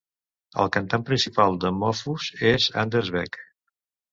El cantant principal de Mofus és Anders Bech.